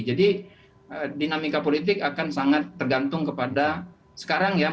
jadi dinamika politik akan sangat tergantung kepada sekarang ya mungkin